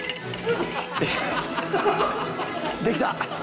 できた！